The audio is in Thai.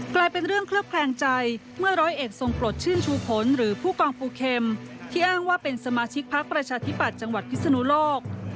กลายเป็นเรื่องเคลือบแคลงใจเมื่อร้อยเอกทรงปลดชื่นชูผลหรือผู้กองปูเข็มที่อ้างว่าเป็นสมาชิกพักประชาธิปัตย์จังหวัดพิศนุโลก